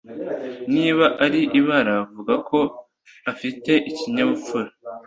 Niba ari ibara, vuga ko afite ikinyabupfura.